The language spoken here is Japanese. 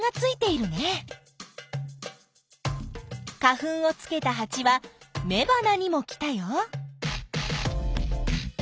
花粉をつけたハチはめばなにも来たよ。